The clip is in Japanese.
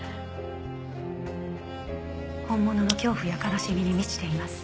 本物の恐怖や悲しみに満ちています。